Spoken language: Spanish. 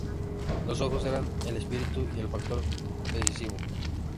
Los ojos eran el espíritu y el factor decisivo.